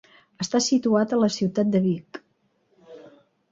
Està situat a la ciutat de Vic.